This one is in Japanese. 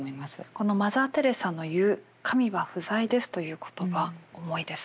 このマザー・テレサの言う「神は不在です」という言葉重いですね。